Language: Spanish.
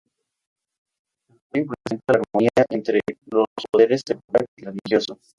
El rayo representa la armonía entre los poderes secular y religioso.